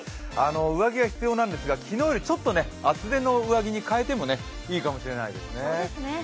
上着が必要なんですが、昨日よりちょっと厚手の上着に替えてもいいかもしれないですね。